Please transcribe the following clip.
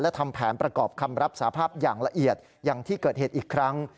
และทำแผนประกอบคำรับสาภาพอย่างละเอียดอย่างที่เกิดเหตุอีกครั้ง